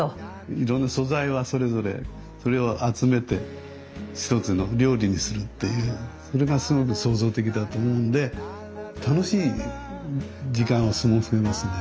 いろんな素材はそれぞれそれを集めて一つの料理にするっていうそれがすごく創造的だと思うんで楽しい時間を過ごせますね。